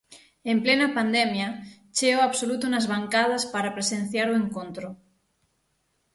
En plena pandemia, cheo absoluto nas bancadas para presenciar o encontro.